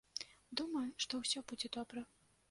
Думаю, што ўсё будзе добра.